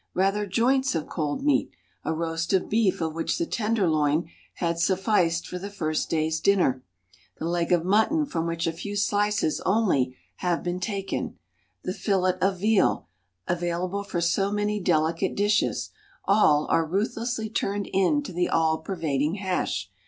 rather joints of cold meat, a roast of beef of which the tenderloin had sufficed for the first day's dinner, the leg of mutton from which a few slices only have been taken, the fillet of veal, available for so many delicate dishes, all are ruthlessly turned into the all pervading hash.